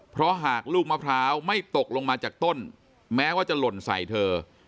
เพราะหากลูกมะพร้าวไม่ตกลงมาจากต้นแม้ว่าจะหล่นใส่เธอ